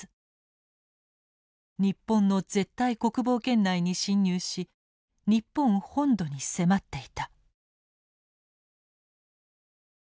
日本の絶対国防圏内に侵入し日本本土に迫っていた。